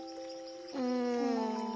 うん。